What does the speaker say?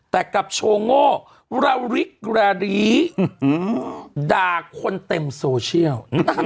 แต่กับโชโง่ราริกรารีด่าคนเต็มโซเชียล